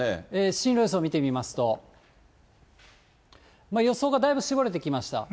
進路予想を見てみますと、予想がだいぶ絞れてきました。